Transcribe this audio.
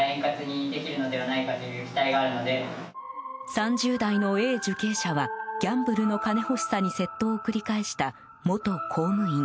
３０代のＡ受刑者はギャンブルの金欲しさに窃盗を繰り返した元公務員。